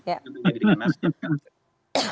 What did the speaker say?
menurut saya dia dirikan aset kan